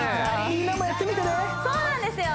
みんなもやってみてね！